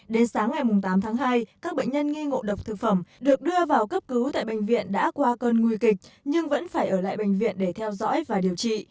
đến sáng ngày tám tháng hai các bệnh nhân nghi ngộ độc thực phẩm được đưa vào cấp cứu tại bệnh viện đã qua cơn nguy kịch nhưng vẫn phải ở lại bệnh viện để theo dõi và điều trị